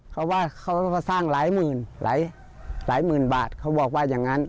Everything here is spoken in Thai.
เขาว่าเขามาสร้างหลายหมื่นหลายหมื่นบาทเขาบอกว่าอย่างนั้น